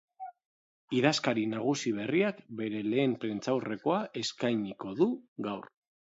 Idazkari nagusi berriak bere lehen prentsaurrekoa eskainiko du gaur.